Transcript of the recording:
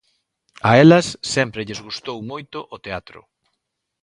A elas sempre lles gustou moito o teatro.